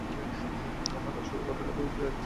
আমরা কাজ শুরু করার আগেই সে ফিরে আসবে।